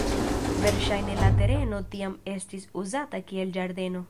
Verŝajne la tereno tiam estis uzata kiel ĝardeno.